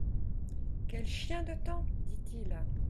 Quel chien de temps ! dit-il.